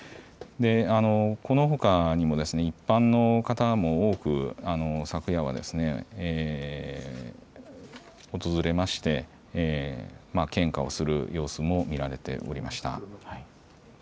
このほかにも一般の方も多く昨夜は訪れまして献花をする様子も見られておりました。